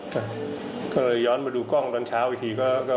อ่าตอนนั้นอย้อนมาดูก้องตอนเช้าอีกทีก็ก็ก็